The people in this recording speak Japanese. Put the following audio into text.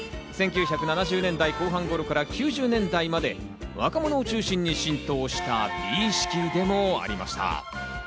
１９７０年代後半頃から９０年代まで若者を中心に浸透した美意識でもありました。